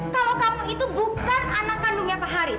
kalau kamu itu bukan anak kandungnya pak haris